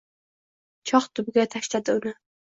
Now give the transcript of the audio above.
Choh tubiga tashladi uni.